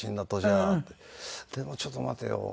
でもちょっと待てよ。